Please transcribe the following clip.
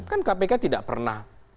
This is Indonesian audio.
kan kpk tidak pernah